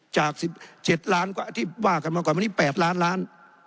จาก๑๗ล้านกว่าที่ว่ากันมาก่อนวันนี้๘ล้านล้าน